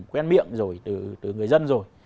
quen miệng rồi từ người dân rồi